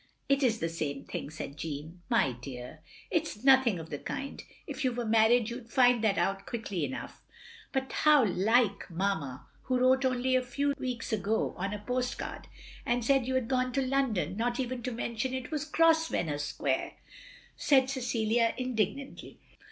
" It is the same thing, " said Jeanne. "My dear! It's nothing of the kind. If you were married you 'd find that out quickly enough! Now how like Mamma — who wrote only a few weeks ago, on a post card, and said you had gone to London — ^not even to mention it was Grosvenor Square!" said Cecilia indignantly.